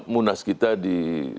munas kita di dua ribu dua puluh